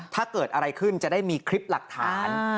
ถ้าเกิดอะไรขึ้นจะได้มีคลิปหลักฐาน